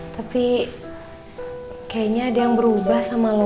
tapi kayaknya ada yang berubah sama lo